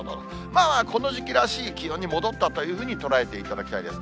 まあまあこの時期らしい気温に戻ったというふうに捉えていただきたいです。